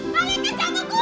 balikin jantung gua